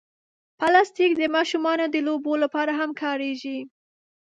پلاستيک د ماشومانو د لوبو لپاره هم کارېږي.